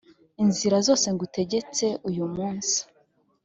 inzira zose ngutegetse uyu munsi,